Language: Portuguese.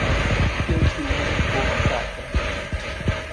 Fiat Uno cor prata.